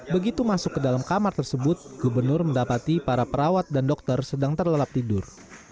begitu masuk ke dalam kamar tersebut gubernur mendapati para perawat dan dokter sedang terlelap tidur